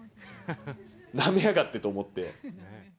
なめやがってと思って。